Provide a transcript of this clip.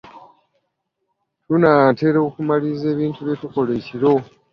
Tunaatera okumaliriza ebintu byetukola ekiro.